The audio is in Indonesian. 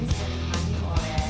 ya demikian insight kami